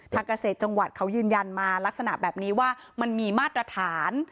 เกษตรจังหวัดเขายืนยันมาลักษณะแบบนี้ว่ามันมีมาตรฐาน